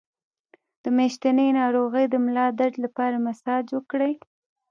د میاشتنۍ ناروغۍ د ملا درد لپاره مساج وکړئ